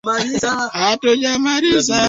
kushinda zile ambazo zinakubalika kimataifa